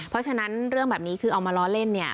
เพราะฉะนั้นเรื่องแบบนี้คือเอามาล้อเล่นเนี่ย